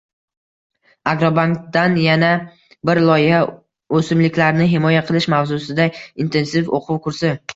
“Agrobank”dan yana bir loyiha — “O‘simliklarni himoya qilish” mavzusida intensiv o‘quv kursi